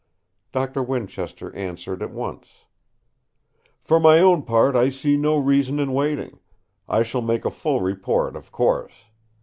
Doctor Winchester answered at once: "For my own part I see no reason in waiting. I shall make a full report of course.